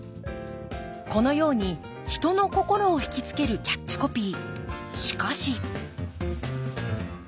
このように人の心をひきつけるキャッチコピー。